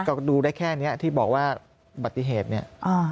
ก็ดูได้แค่นี้ที่บอกว่าบัติเหตุเนี่ย